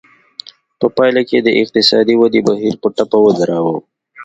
په پایله کې د اقتصادي ودې بهیر په ټپه ودراوه.